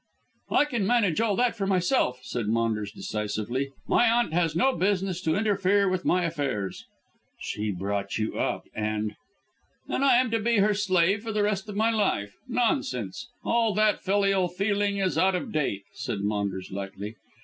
"I can manage all that for myself," said Maunders decisively; "my aunt has no business to interfere with my affairs." "She brought you up, and " "And I am to be her slave for the rest of my life. Nonsense! All that filial feeling is out of date," said Maunders lightly.